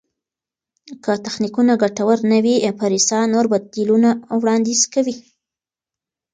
که تخنیکونه ګټور نه وي، پریسا نور بدیلونه وړاندیز کوي.